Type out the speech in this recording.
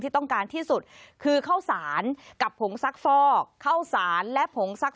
ที่ต้องการที่สุดคือเข้าศาลกับผงซักฟอกเข้าศาลและผงซัก